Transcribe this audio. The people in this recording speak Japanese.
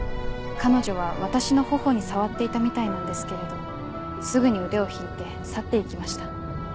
彼女は私の頬に触っていたみたいなんですけれどすぐに腕を引いて去って行きました。